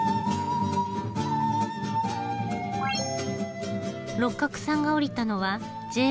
六角さんが降りたのはＪＲ高畠駅。